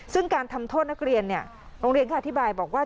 ซึ่งการทำโทษนักเรียนโรงเรียนก็อธิบายบอกว่า